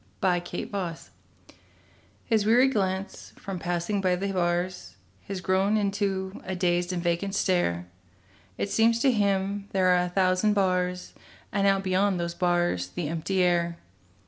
THE PANTHER His weary glance, from passing by the bars, Has grown into a dazed and vacant stare; It seems to him there are a thousand bars And out beyond those bars the empty air.